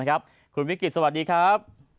คุณวิกฤตสวัสดีครับ